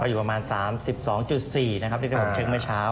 อยู่ประมาณ๓๒๔นะครับที่ได้ผมเช็คเมื่อเช้า